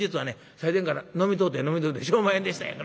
最前から飲みとうて飲みとうてしょうまへんでした。